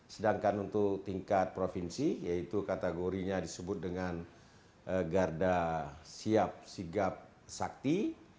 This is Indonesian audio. sedangkan untuk tingkat provinsi yaitu kategorinya disebut dengan garda siap sigap sakti